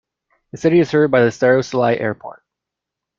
The city is served by the Staroselye Airport.